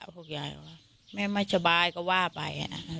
พวกยายก็ว่าแม่ไม่สบายก็ว่าไป